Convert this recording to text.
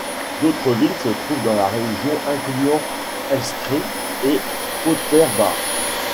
D'autres villes se trouvent dans la région incluant Elstree et Potters Bar.